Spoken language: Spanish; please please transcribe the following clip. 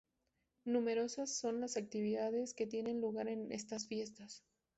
Numerosas son las actividades que tienen lugar en estas fiestas.